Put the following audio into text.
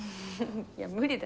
いや無理だよ。